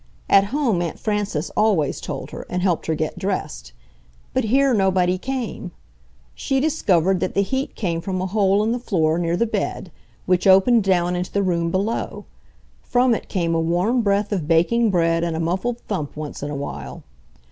At home Aunt Frances always told her, and helped her get dressed. But here nobody came. She discovered that the heat came from a hole in the floor near the bed, which opened down into the room below. From it came a warm breath of baking bread and a muffled thump once in a while.